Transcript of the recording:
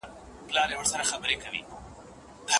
خدايږو که پير، مريد، ملا تصوير په خوب وويني